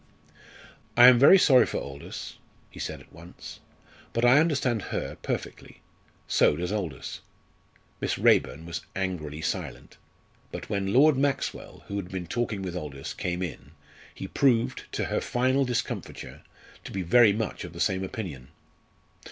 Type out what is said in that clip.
"I am very sorry for Aldous," he said at once; "but I understand her perfectly. So does Aldous." Miss Raeburn was angrily silent. But when Lord Maxwell, who had been talking with Aldous, came in, he proved, to her final discomfiture, to be very much of the same opinion.